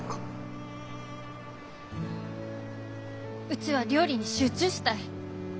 うちは料理に集中したい。